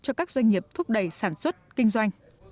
cho các doanh nghiệp thúc đẩy sản xuất kinh doanh